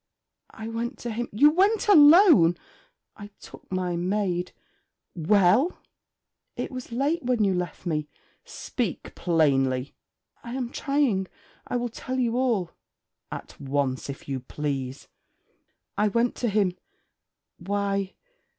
'I went to him ' 'You went alone?' 'I took my maid.' 'Well?' 'It was late when you left me...' 'Speak plainly!' 'I am trying: I will tell you all.' 'At once, if you please.' 'I went to him why?